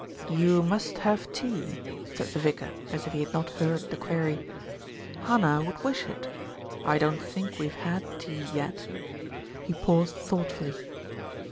"You must have tea," said the vicar, as if he had not heard the query. "Hannah would wish it. I don't think we've had tea yet." He paused thoughtfully.